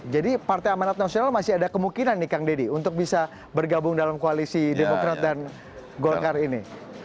jadi partai amanah nasional masih ada kemungkinan nih kang didi untuk bisa bergabung dalam koalisi demokrat dan golkar ini